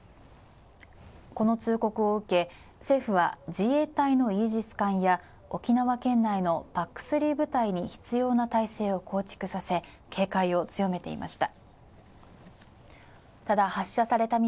この通告を受け政府は自衛隊のイージス艦や沖縄県内のＰＡＣ−３部隊に必要な態勢を構築させ警戒を強めていました。